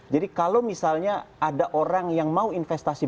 jadi kalau misalnya ada orang yang mau investasi begitu